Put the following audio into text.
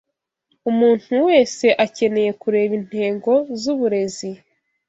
Umuntu wese akeneye kureba intego zuburezi